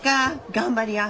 頑張りや。